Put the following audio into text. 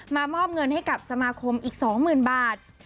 มอบเงินให้กับสมาคมอีก๒๐๐๐บาท